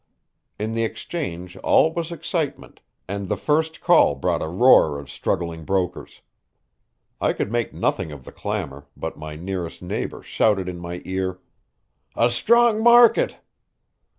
In the Exchange all was excitement, and the first call brought a roar of struggling brokers. I could make nothing of the clamor, but my nearest neighbor shouted in my ear: "A strong market!"